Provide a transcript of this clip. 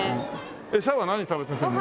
エサは何食べさせるの？